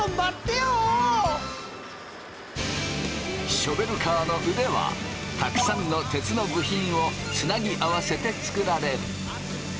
ショベルカーの腕はたくさんの鉄の部品をつなぎ合わせて作られる。